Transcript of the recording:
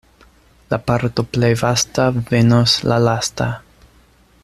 La parto plej vasta venos la lasta.